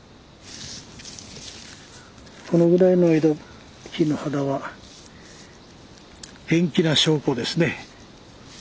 このぐらいの木の肌は元気な証拠ですね。